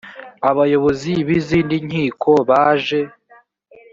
abayobozi b izindi nkiko baje